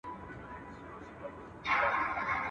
o مړی نه ارزي، چي و ارزي کفن څيري.